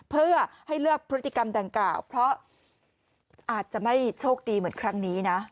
เพื่อให้เลือกพฤติกรรมดังกล่าวเพราะอาจจะไม่โชคดีเหมือนครั้งนี้นะ